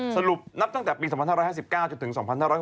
สรุปนับตั้งแต่ปี๒๕๕๙จนถึง๒๕๖๒